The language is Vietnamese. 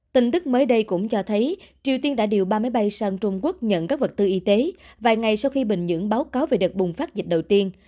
tin tức mới đây cũng cho thấy triều tiên đã điều ba máy bay sang trung quốc nhận các vật tư y tế vài ngày sau khi bình nhưỡng báo cáo về đợt bùng phát dịch đầu tiên